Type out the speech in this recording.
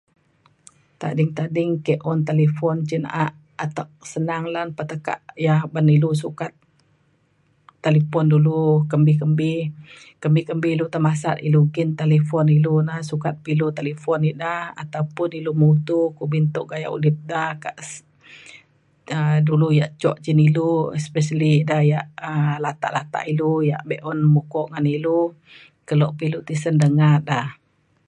tading tading ke un talifon cin na’a atek senang lan pa tekak ya uban ilu sukat talipon dulu kembi kembi kembi kembi ilu tai masat ilu nggin talifon ilu na sukat pa ilu talifon ida ataupun ilu mutu kumbin tuk gayak udip da kak s- um dulu yak jok cin ilu especially ida yak um latak latak ilu yak be’un mukok ngan ilu kelo pa ilu tisen denga da